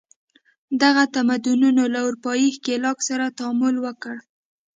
دغه تمدنونو له اروپايي ښکېلاک سره تعامل وکړ.